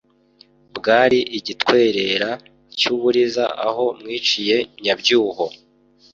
bwari igitwerera cy’u buriza aho mwiciye nyabyuho